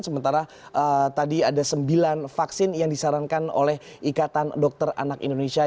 sementara tadi ada sembilan vaksin yang disarankan oleh ikatan dokter anak indonesia